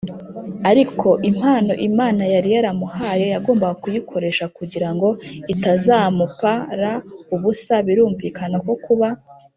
Ariko impano Imana yari yaramuhaye yagombaga kuyikoresha kugira ngo itazamup ra ubusa Birumvikana ko kuba